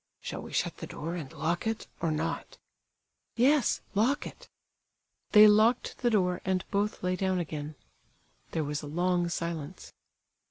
"Shall we shut the door, and lock it, or not?" "Yes, lock it." They locked the door, and both lay down again. There was a long silence.